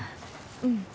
うん